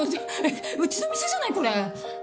えっうちの店じゃないこれ。